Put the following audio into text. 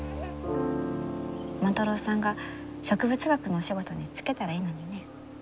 万太郎さんが植物学のお仕事に就けたらいいのにね。